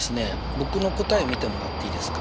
僕の答え見てもらっていいですか。